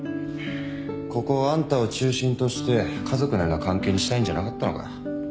ここをあんたを中心として家族のような関係にしたいんじゃなかったのかよ。